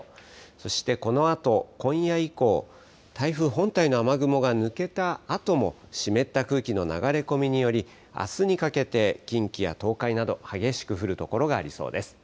そしてこのあと今夜以降、台風本体の雨雲が抜けたあとも湿った空気の流れ込みによりあすにかけて近畿や東海など激しく降る所がありそうです。